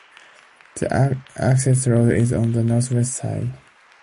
The access road is on the northwest side.